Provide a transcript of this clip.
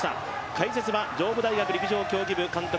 解説は上武大学陸上競技部監督